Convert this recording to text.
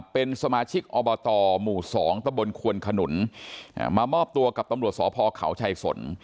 เป็นสมาชิกอบตหมู่๒ตะบนควนขนุนมามอบตัวกับตำรวจสพเขาชัยสน